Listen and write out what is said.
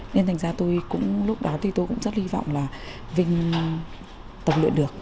nên thành ra tôi cũng lúc đó thì tôi cũng rất hy vọng là vinh tập luyện được